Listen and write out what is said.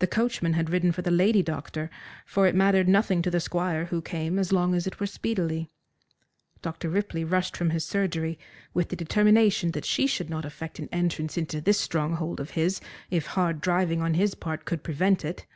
The coachman had ridden for the lady doctor, for it mattered nothing to the Squire who came as long as it were speedily. Dr. Ripley rushed from his surgery with the determination that she should not effect an entrance into this stronghold of his if hard driving on his part could prevent it.